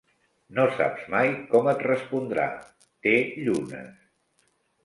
No saps mai com et respondrà: té llunes.